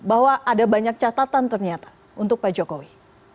bahwa ada banyak catatan ternyata untuk pak jokowi